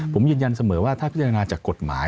ผมยืนยันเสมอว่าถ้าพิจารณาจากกฎหมาย